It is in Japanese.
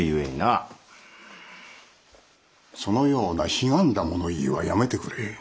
そのようなひがんだ物言いはやめてくれ。